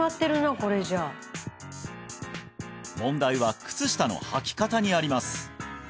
これじゃあ問題は靴下のはき方にあります